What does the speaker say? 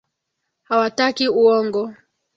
Hawataki uongo.